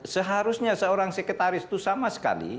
seharusnya seorang sekretaris itu sama sekali